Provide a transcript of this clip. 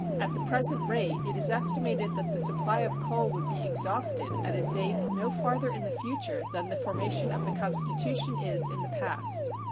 At the present rate it is estimated that the supply of coal would be exhausted at a date no farther in the future than the formation of the constitution is in the past.